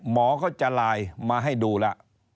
หมอก็จะไลน์มาให้ดูแล้ว